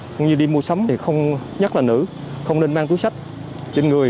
cũng như đi mua sắm thì không nhắc là nữ không nên mang túi sách trên người